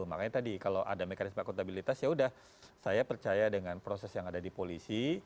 makanya tadi kalau ada mekanisme akuntabilitas ya sudah saya percaya dengan proses yang ada di polisi